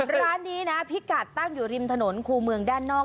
ร้านนี้นะพิกัดตั้งอยู่ริมถนนคู่เมืองด้านนอก